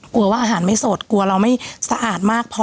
กลัวว่าอาหารไม่สดกลัวเราไม่สะอาดมากพอ